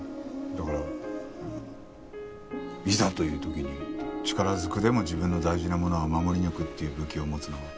だからいざという時に力ずくでも自分の大事なものは守り抜くっていう武器を持つのは。